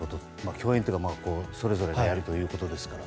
共演というかそれぞれにやるということですから。